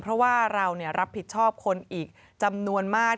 เพราะว่าเรารับผิดชอบคนอีกจำนวนมาก